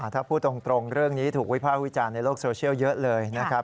ถ้าพูดตรงเรื่องนี้ถูกวิภาควิจารณ์ในโลกโซเชียลเยอะเลยนะครับ